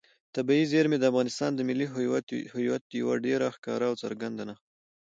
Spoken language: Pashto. طبیعي زیرمې د افغانستان د ملي هویت یوه ډېره ښکاره او څرګنده نښه ده.